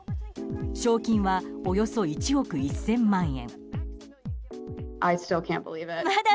賞金はおよそ１億１０００万円。